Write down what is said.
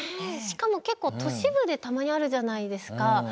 しかも結構都市部でたまにあるじゃないですか。